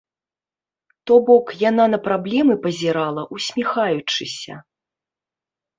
То бок, яна на праблемы пазірала, усміхаючыся.